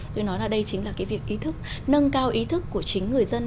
tôi nói là đây chính là cái việc ý thức nâng cao ý thức của chính người dân